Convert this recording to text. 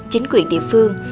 chính quyền địa phương